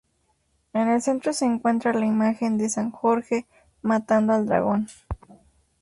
En el centro se encuentra la imagen de San Jorge matando al dragón.